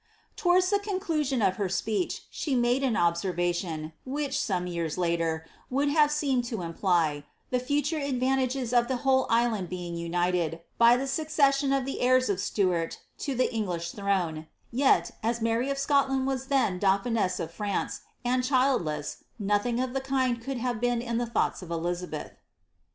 Towards the conclusion of her speech, she made an obsofatkMi which, some yean later, would have seemed to imply, the future adfiftp tages of the whole island being united, by the succession of the hoM of Siuart to the English throne, yet, as Mary of Scotland was dm dauphiness of France, and childless, nothing <d the kind could hasa been in the thoughts of Elizabeth.